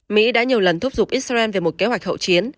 mỹ đã nhiều lần thúc giục israel về một kế hoạch hậu chiến